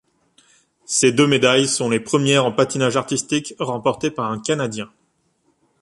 Ces deux médailles sont les premières en patinage artistique remporté par un canadien.